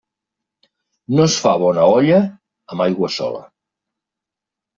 No es fa bona olla amb aigua sola.